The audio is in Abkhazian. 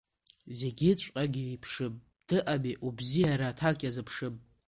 Зегьыҵәҟьагь еиԥшым, дыҟами убзиара аҭак иазыԥшым.